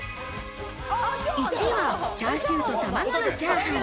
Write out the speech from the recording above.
１位はチャーシューと玉子のチャーハン。